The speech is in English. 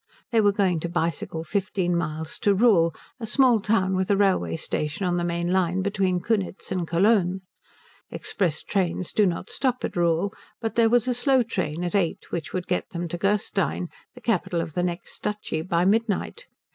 They were going to bicycle fifteen miles to Rühl, a small town with a railway station on the main line between Kunitz and Cologne. Express trains do not stop at Rühl, but there was a slow train at eight which would get them to Gerstein, the capital of the next duchy, by midnight.